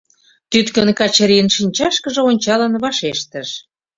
Тӱткын Качырийын шинчашкыже ончалын, вашештыш: